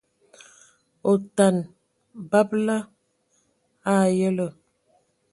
Otana, babǝla a ayǝlə.